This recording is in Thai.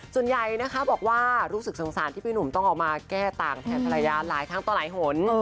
ส่วนใหญ่นะคะบอกว่ารู้สึกสงสารที่พี่หนุ่มต้องออกมาแก้ต่างแทนภรรยาหลายครั้งต่อหลายหน